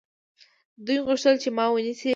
دوی غوښتل چې ما ونیسي.